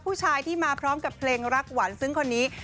เป็นสุดท้ายที่มาพร้อมกับเพลงรักหวานซึ้งคนนี้